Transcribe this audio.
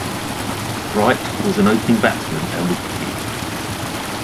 Wright was an opening batsman and wicket-keeper.